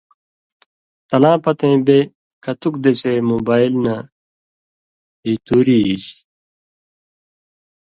تَلاں پَتَیں بےکتُک دېسے مُوبائلہ نَہ ہی تُوری ایسیۡ،